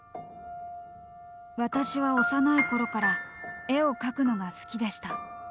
「私は幼い頃から絵を描くのが好きでした。